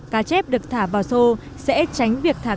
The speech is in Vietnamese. cá chép được thả vào xô sẽ tránh việc thả cá